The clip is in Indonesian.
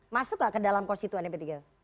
masuk gak ke dalam konstituennya p tiga